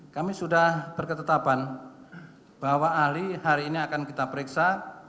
kami sudah berketetapan bahwa ahli hari ini akan kita periksa